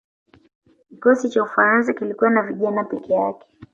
kikosi cha ufaransa kilikuwa na vijana peke yake